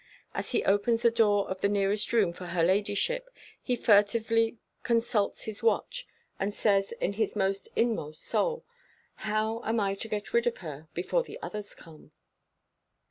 As he opens the door of the nearest room for her ladyship, he furtively consults his watch, and says in his inmost soul, "How am I to get rid of her before the others come?"